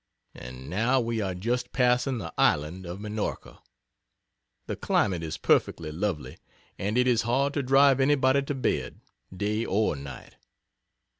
And now we are just passing the island of Minorca. The climate is perfectly lovely and it is hard to drive anybody to bed, day or night.